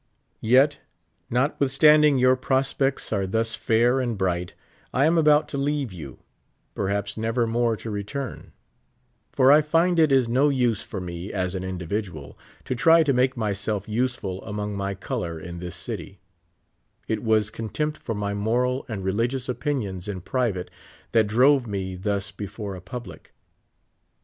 Yet, notwithstanding your prospects are thus fair and bright, I am about to leave you, perhaps never more to return ; for I find it is no use for me, as an individual, to try to make myself useful among m}^ color in this cit3\ It was contempt for my moral and religious opinions in private that drove me thus before a public.